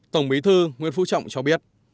tổng bí thư nguyên phú trọng cho biết